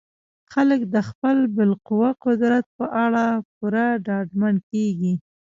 خلک د خپل بالقوه قدرت په اړه پوره ډاډمن کیږي.